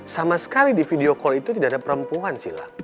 sama sekali di video call itu tidak ada perempuan sih